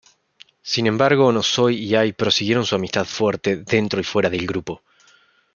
Sin embargo, Nozomi y Ai prosiguieron su amistad fuerte dentro y fuera del grupo.